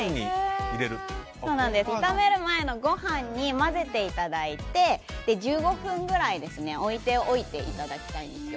炒める前のご飯に混ぜていただいて１５分くらい置いておいていただきたいんです。